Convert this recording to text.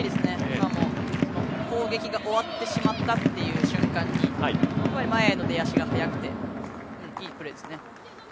今も攻撃が終わってしまったという瞬間に前への出足が速くていいプレーですね。